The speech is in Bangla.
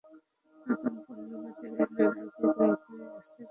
নতুন পণ্য বাজারে আনার আগে গ্রাহকের আস্থা ফেরাতে দ্রুত ব্যবস্থা নিচ্ছে প্রতিষ্ঠানটি।